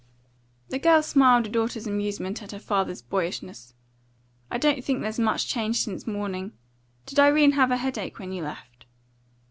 The girl smiled a daughter's amusement at her father's boyishness. "I don't think there's much change since morning. Did Irene have a headache when you left?"